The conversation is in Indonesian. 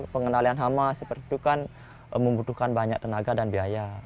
pengenalan hama seperti itu kan membutuhkan banyak tenaga dan biaya